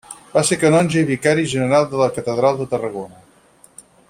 Va ser canonge i vicari general de la Catedral de Tarragona.